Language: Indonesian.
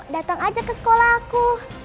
datang aja ke sekolah aku